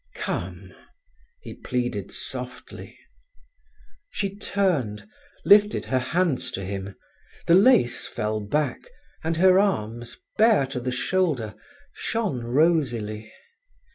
"Come," he pleaded softly. She turned, lifted her hands to him. The lace fell back, and her arms, bare to the shoulder, shone rosily.